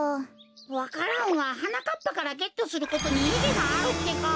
わか蘭ははなかっぱからゲットすることにいぎがあるってか。